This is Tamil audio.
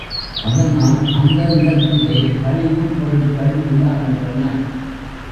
அதனால் அந்த இடத்திலே கழிவுப் பொருட்கள் உண்டாகின்றன.